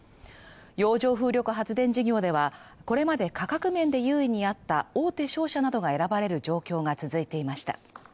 洋上風力発電事業では、これまで価格面で優位にあった大手商社などが選ばれる状況が続いていました。